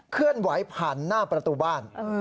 เคลื่อนไหวผ่านหน้าประตูบ้าน